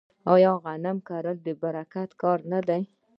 آیا غنم کرل د برکت کار نه دی؟